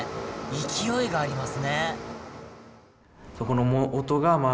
勢いがありますね。